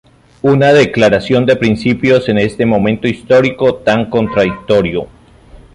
Una declaración de principios en este momento histórico tan contradictorio.